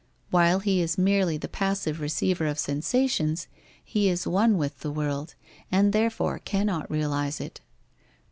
While he is merely the passive receiver of sensations, he is one with the world, and therefore cannot realize it.